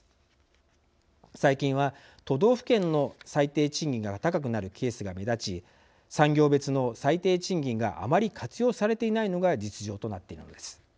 最近は都道府県の最低賃金が高くなるケースが目立ち産業別の最低賃金があまり活用されていないのが実情となっているのです。